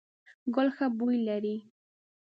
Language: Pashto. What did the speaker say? ګل ښه بوی لري ….